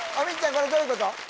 これどういうこと？